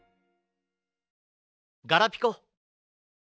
ガラピコ。